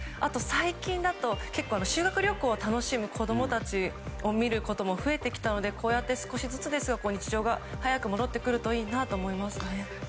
最近だと結構修学旅行を楽しむ子供たちを見ることも増えてきたのでこうやって、少しずつですが日常が早く戻ってくるといいなと思いますね。